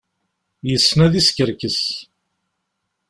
Yessen ad iskerkes.